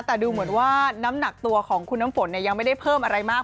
แต่ดูเหมือนว่าน้ำหนักตัวของคุณน้ำฝนยังไม่ได้เพิ่มอะไรมาก